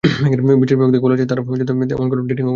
বিচার বিভাগ থেকে বলা হয়েছে, তারা এমন কোনো আইন ভেটিংও করেনি।